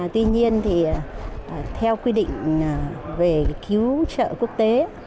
tuy nhiên thì theo quy định về cứu trợ quốc tế